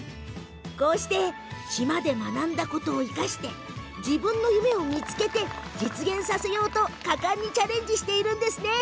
島で学んだことを生かして自分の夢を見つけて実現させるようと果敢にチャレンジしています。